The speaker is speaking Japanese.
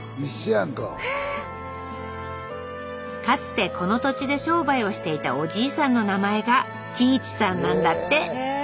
かつてこの土地で商売をしていたおじいさんの名前が喜一さんなんだって。